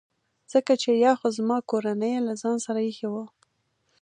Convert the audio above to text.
ځکه چي یا خو زما کورنۍ له ځان سره ایښي وو.